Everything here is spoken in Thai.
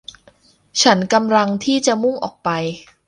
ฉันกำลังที่จะมุ่งออกไป